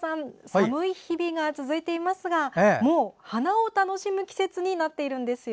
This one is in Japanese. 寒い日々が続いていますがもう花を楽しむ季節になっているんですよ。